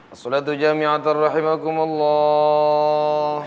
as salatu jami'atan rahimakum allah